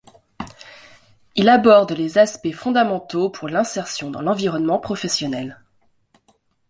Il aborde les aspects fondamentaux pour l’insertion dans l’environnement professionnel.